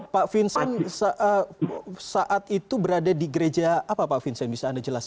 pak vincent saat itu berada di gereja apa pak vincent bisa anda jelaskan